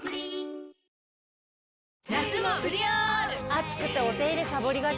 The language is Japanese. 暑くてお手入れさぼりがち。